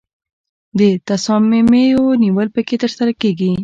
د تصامیمو نیول پکې ترسره کیږي.